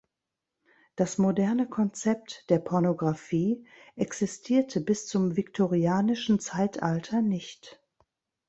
Das moderne Konzept der Pornografie existierte bis zum viktorianischen Zeitalter nicht.